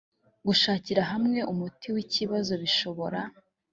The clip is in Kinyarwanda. gushakira hamwe umuti w ibibazo bishobora